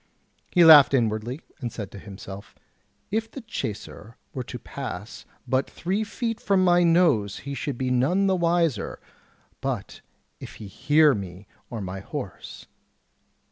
He laughed inwardly, and said to himself: "If the chacer were to pass but three feet from my nose he should be none the wiser but if he hear me or my horse."